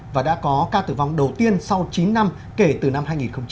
và đã có ca tử vong đầu tiên sau chín năm kể từ năm hai nghìn một mươi ba